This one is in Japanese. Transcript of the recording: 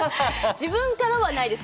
自分からはないです。